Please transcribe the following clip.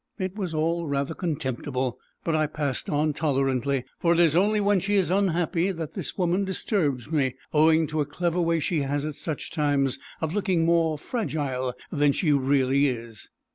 It was all rather contemptible, but I passed on tolerantly, for it is only when she is unhappy that this woman disturbs me, owing to a clever way she has at such times of looking more fragile than she really is.